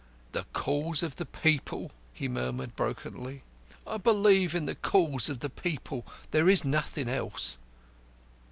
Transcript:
"The Cause of the People," he murmured brokenly, "I believe in the Cause of the People. There is nothing else."